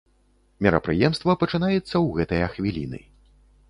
Мерапрыемства пачынаецца ў гэтыя хвіліны.